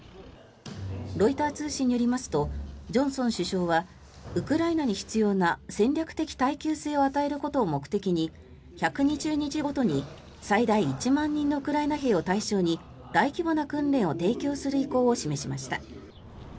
ロイター通信によりますとジョンソン首相はウクライナに必要な戦略的耐久性を与えることを目的に１２０日ごとに最大１万人のウクライナ兵を対象に大規模な訓練を提供する意向を示しました。